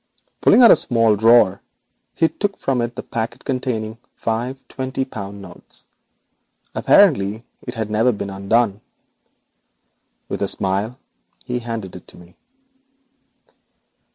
Pulling out a small drawer he took from it the packet containing the five twenty pound notes. Apparently it had never been opened. With a smile he handed it to me.